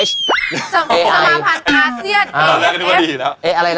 สมาพันธุ์อาเซียน